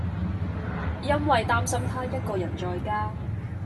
因為擔心她一個人在家